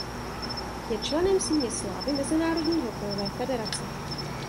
Je členem Síně slávy mezinárodní hokejové federace.